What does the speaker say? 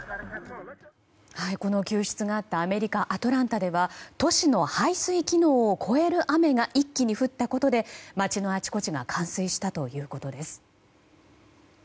この救出があったアメリカ・アトランタでは都市の排水機能を超える雨が一気に降ったことで街のあちこちが冠水したということです。